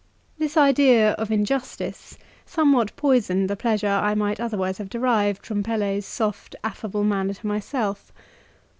This idea, of injustice somewhat poisoned the pleasure I might otherwise have derived from Pelet's soft affable manner to myself.